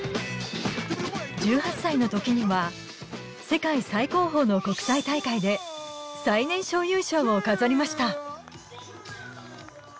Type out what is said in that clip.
１８歳のときには、世界最高峰の国際大会で最年少優勝を飾りました。